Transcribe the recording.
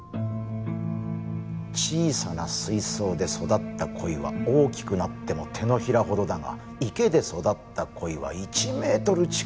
小さな水槽で育った鯉は大きくなっても手のひらほどだが池で育った鯉は１メートル近くにもなる。